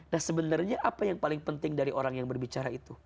nah sebenarnya apa yang paling penting dari orang yang berbicara itu